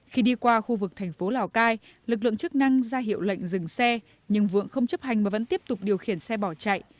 khi đi qua khu vực thành phố lào cai lực lượng chức năng ra hiệu lệnh dừng xe nhưng vượng không chấp hành mà vẫn tiếp tục điều khiển xe bỏ chạy